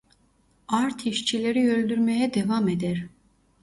Art işçileri öldürmeye devam eder.